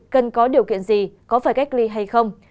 cần có điều kiện gì có phải cách ly hay không